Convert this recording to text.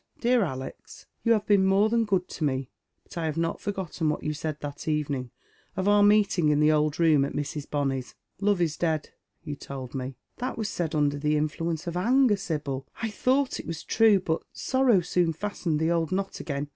" Dear Ales, you have been more than good to me, but I have not forgotten what you said that evening of our meeting in the old room at Mrs. Benny's. ' Love is dead,' you told me." " That was said under the influence of anger, Sibyl. I thought it was true, but soitow soon fastened the old knot again.